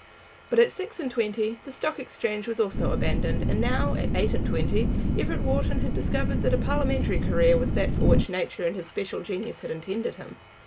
But at six and twenty the Stock Exchange was also abandoned; and now, at eight and twenty, Everett Wharton had discovered that a parliamentary career was that for which nature and his special genius had intended him.